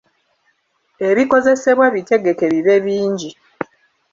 Ebikozesebwa bitegeke bibe bingi.